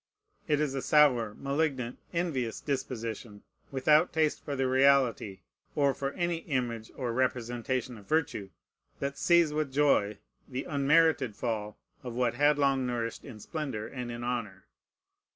It is a sour, malignant, envious disposition, without taste for the reality, or for any image or representation of virtue, that sees with joy the unmerited fall of what had long nourished in splendor and in honor.